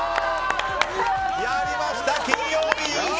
やりました、金曜日優勝！